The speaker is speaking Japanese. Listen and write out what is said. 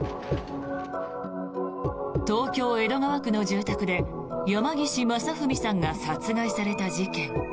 東京・江戸川区の住宅で山岸正文さんが殺害された事件。